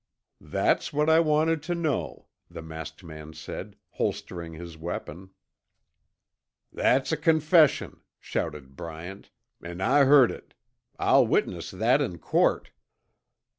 "That's what I wanted to know," the masked man said, holstering his weapon. "That's a confession," shouted Bryant, "an' I heard it. I'll witness that in court."